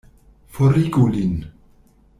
Forigu lin!